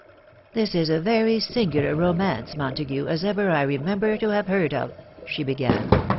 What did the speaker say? " This is a very singular romance, Montague, as «ver I remember to have heard of," sfye began.